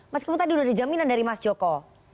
meskipun tadi sudah dijaminan dari mas joko